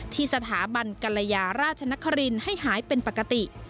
ที่สถาบันกรยาราชนครินให้หายเป็นปกติ